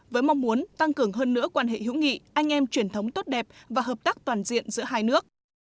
với mong muốn tăng cường hơn nữa quan hệ hữu nghị anh em truyền thống tốt đẹp và hợp tác toàn diện giữa hai nước